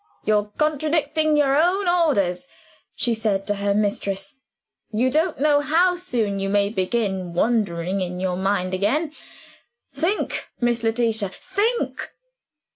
"You're contradicting your own orders," she said to her mistress. "You don't know how soon you may begin wandering in your mind again. Think, Miss Letitia think."